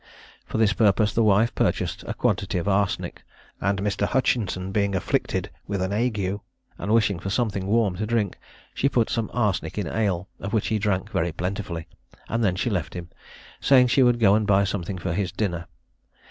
For this purpose the wife purchased a quantity of arsenic; and Mr. Hutchinson being afflicted with an ague, and wishing for something warm to drink, she put some arsenic in ale, of which he drank very plentifully; and then she left him, saying she would go and buy something for his dinner.